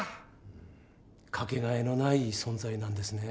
掛けがえのない存在なんですね。